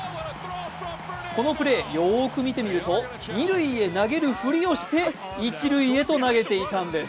このプレー、よーく見てみると二塁へ投げるふりをして一塁へと投げていたんです。